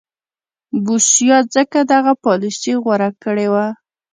بوسیا ځکه دغه پالیسي غوره کړې وه.